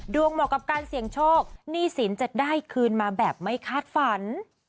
เหมาะกับการเสี่ยงโชคหนี้สินจะได้คืนมาแบบไม่คาดฝัน